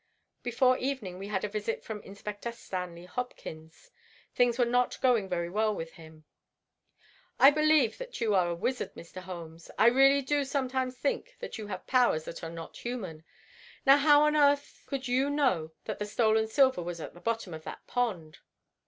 Before evening we had a visit from Inspector Stanley Hopkins. Things were not going very well with him. "I believe that you are a wizard, Mr. Holmes. I really do sometimes think that you have powers that are not human. Now, how on earth could you know that the stolen silver was at the bottom of that pond?"